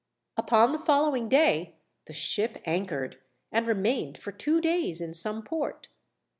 Upon the following day the ship anchored, and remained for two days in some port.